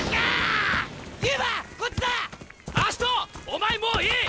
お前もういい！